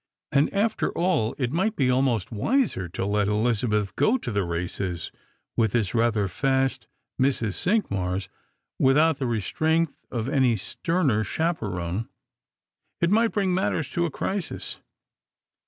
And after all it might be almost wiser to let EHzabeth go to the races with this rather fast Mrs. Cinqmars, without the restraint of any sterner chaperon. It might bring matters to a crisis.